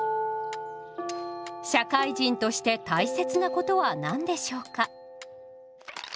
社会人として大切なことは何でしょうか？